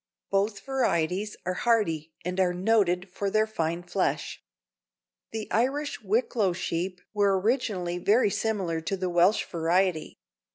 Both varieties are hardy and are noted for their fine flesh. The Irish Wicklow sheep were originally very similar to the Welsh variety.